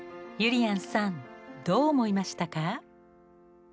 ゆりやんさんどう思いましたか？